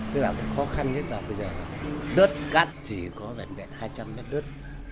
thế là cái khó khăn nhất là bây giờ là đất cắt thì có vẹn vẹn hai trăm linh mét đất